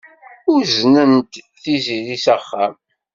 Uznent Tiziri s axxam.